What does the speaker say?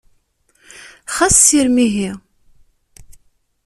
Xas sirem ihi!